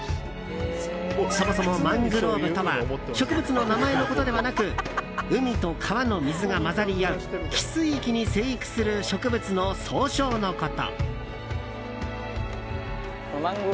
そもそも、マングローブとは植物の名前のことではなく海と川の水が混ざり合う汽水域に生育する植物の総称のこと。